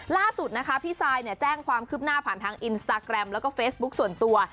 ล่าสุดนะคะพี่ซายเนี่ยแจ้งความคืบหน้าผ่านทางอินสตาแกรมแล้วก็เฟซบุ๊คส่วนตัว